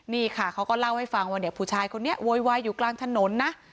นี่ค่ะเขาก็เล่าให้ฟังว่าเนี่ยผู้ชายคนนี้โวยวายอยู่กลางถนนนะ